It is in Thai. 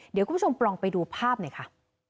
เดี๋ยวคุณผู้ชมลองไปดูภาพหน่อยค่ะ